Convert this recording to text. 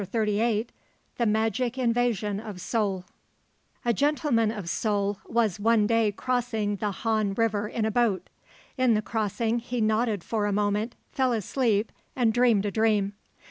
XXXVIII THE MAGIC INVASION OF SEOUL A gentleman of Seoul was one day crossing the Han River in a boat. In the crossing, he nodded for a moment, fell asleep and dreamed a dream.